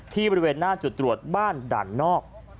บริเวณหน้าจุดตรวจบ้านด่านนอก